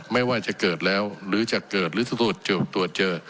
ไม่ว่าจะเกิดแล้วหรือจะเกิดหรือถ้าตรวจเจอตรวจเจอ